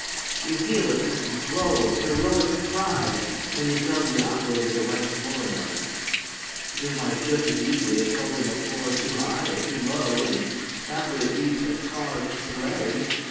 You feel a certain glow of heroic pride when you tell the operator the right floor number. You might just as easily have told him a floor too high or too low, and that would, at least, have caused delay.